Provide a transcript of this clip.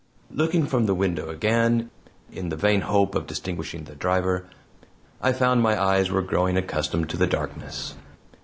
Looking from the window again, in the vain hope of distinguishing the driver, I found my eyes were growing accustomed to the darkness.